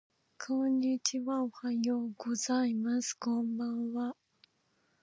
こんにちはおはようございますこんばんは